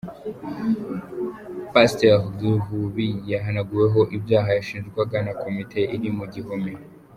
Pastor Ruvubi yahanaguweho ibyaha yashinjwagwa na komite iri mu gihome.